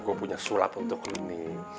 gue punya sulap untuk lo nih